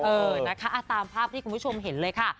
เออนะคะตามภาพที่คุณผู้ชมเห็นเลยค่ะ